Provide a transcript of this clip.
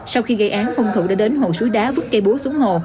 sau khi gây án hung thủ đã đến hồ suối đá vứt cây búa xuống hồ